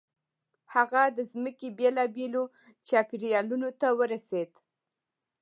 هغه د ځمکې بېلابېلو چاپېریالونو ته ورسېد.